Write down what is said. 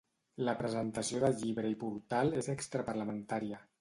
La presentació de llibre i portal és extraparlamentària.